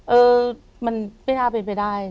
เออมันไม่น่าเป็นไปได้